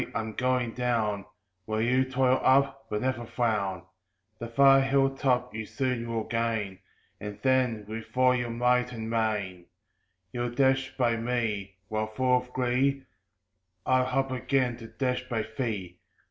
I'm going down, While you toil up; but never frown; The far hill top you soon will gain, And then, with all your might and main, You'll dash by me; while, full of glee, I'll up again to dash by thee!